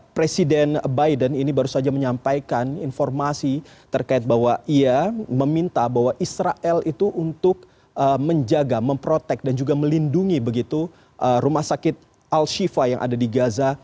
presiden biden ini baru saja menyampaikan informasi terkait bahwa ia meminta bahwa israel itu untuk menjaga memprotek dan juga melindungi begitu rumah sakit al shiva yang ada di gaza